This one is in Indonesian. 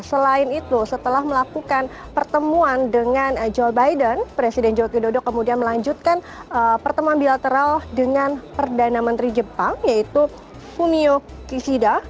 selain itu setelah melakukan pertemuan dengan joe biden presiden jokowi dodo kemudian melanjutkan pertemuan bilateral dengan perdana menteri jepang yaitu fumio kishida